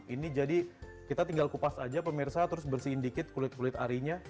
ini jadi kita tinggal kupas aja pemirsa terus bersihin dikit kulit kulit arinya